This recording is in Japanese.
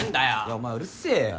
お前うるせぇよ。